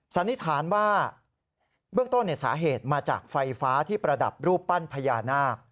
สันนิษฐานว่าเบื้องต้นสาเหตุมาจากไฟฟ้าที่ประดับรูปปั้นพญานาค